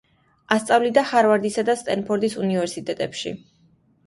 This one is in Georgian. ასწავლიდა ჰარვარდისა და სტენფორდის უნივერსიტეტებში.